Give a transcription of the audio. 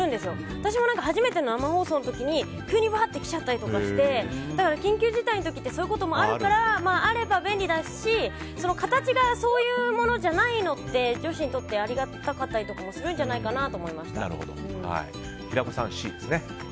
私も初めての生放送の時に急に来ちゃったりして緊急事態の時ってそういうこともあるからあれば便利だし形がそういうものじゃないのって女子にとってありがたかったりとかするんじゃ平子さんはＣですね。